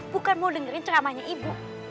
bukan mau dengerin ceramahnya ibu